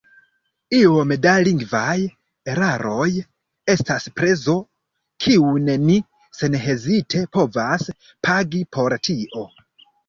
Iom da lingvaj eraroj estas prezo, kiun ni senhezite povas pagi por tio.